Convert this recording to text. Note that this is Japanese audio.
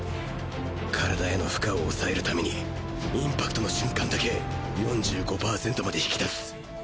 体への負荷をおさえる為にインパクトの瞬間だけ４５パーセントまで引き出す。